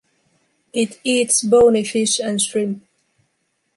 It eats bony fish and shrimp.